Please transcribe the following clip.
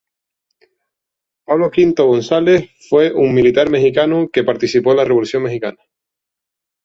Pablo V. González fue un militar mexicano que participó en la Revolución mexicana.